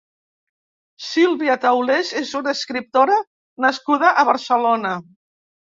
Silvia Taulés és una escriptora nascuda a Barcelona.